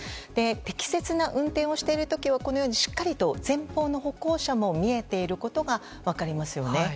適切な運転をしている時はしっかりと前方の歩行者も見えていることが分かりますよね。